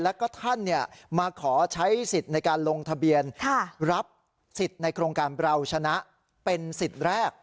แล้วก็ท่านมาขอใช้สิทธิ์ในการลงทะเบียนรับสิทธิ์ในโครงการเราชนะเป็นสิทธิ์แรก